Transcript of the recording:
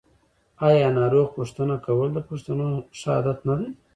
آیا ناروغ پوښتنه کول د پښتنو ښه عادت نه دی؟